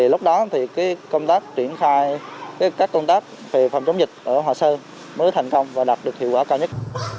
lúc đó thì các công tác về phòng chống dịch ở hòa sơn mới thành công và đạt được hiệu quả cao nhất